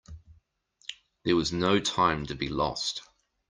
There was no time to be lost.